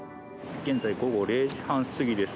現在午後０時半過ぎです。